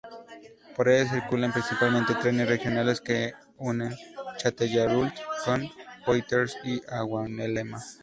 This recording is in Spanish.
Por ella circulan principalmente trenes regionales que unen Châtellerault o Poitiers con Angulema.